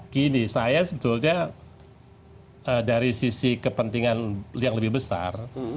gini saya sebetulnya dari sisi kepentingan yang lebih besar